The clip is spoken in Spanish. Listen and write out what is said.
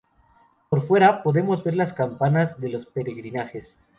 Por fuera, podemos ver las campanas de los peregrinajes.